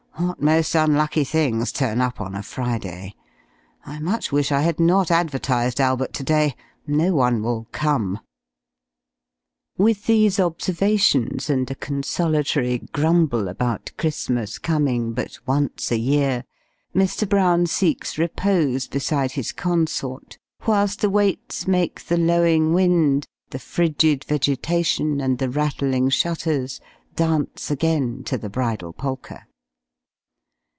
what most unlucky things turn up on a Friday! I much wish I had not advertised Albert to day no one will come." With these observations, and a consolatory grumble about Christmas coming but once a year, Mr. Brown seeks repose beside his consort; whilst the Waits make the lowing wind, the frigid vegetation, and the rattling shutters, dance again to the "Bridal Polka."